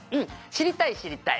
知りたい知りたい。